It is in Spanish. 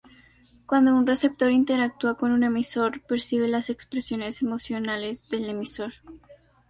Cuando un receptor interactúa con un emisor, percibe las expresiones emocionales del emisor.